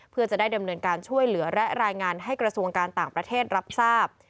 เพื่อจะได้ดำเนินการช่วยเหลือและรายงานให้กระทรวงการต่างประเทศรับทราบ